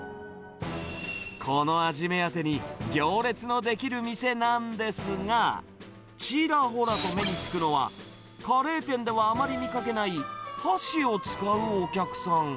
この味目当てに行列の出来る店なんですが、ちらほらと目につくのは、カレー店ではあまり見かけない、箸を使うお客さん。